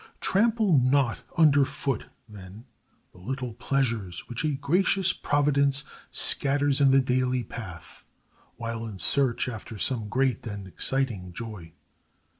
Trample not under foot, then, the little pleasures which a gracious Providence scatters in the daily path while in search after some great and exciting joy.